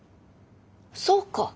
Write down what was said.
そうか。